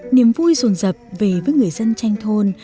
niềm vui rồn rập về với người dân tranh thôn